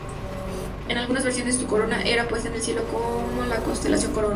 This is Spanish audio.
En algunas versiones, su corona era puesta en el cielo como la constelación Corona.